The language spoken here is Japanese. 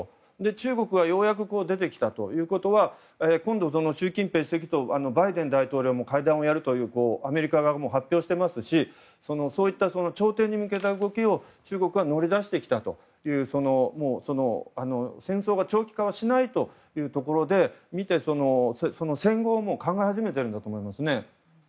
中国がようやく出てきたということは習近平主席とバイデン大統領が会談をやるとアメリカが発表していますしそういった調停に向けた動きを中国は乗り出してきたという戦争は長期化しないというところで見て戦後を考え始めてるんだと思うんですね。